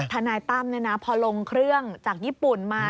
ทนายตั้มพอลงเครื่องจากญี่ปุ่นมา